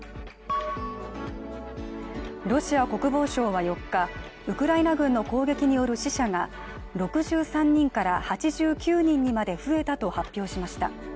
ロシア国防省は４日、ウクライナ軍の攻撃による死者が６３人から８９人にまで増えたと発表しました。